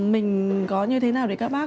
mình có như thế nào thì các bác